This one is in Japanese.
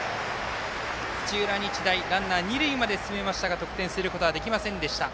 土浦日大、ランナー、二塁まで進めましたが、得点することはできませんでした。